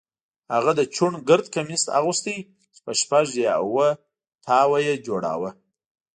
هغه د چوڼ ګرد کمیس اغوست چې په شپږ یا اووه تابه یې جوړاوه.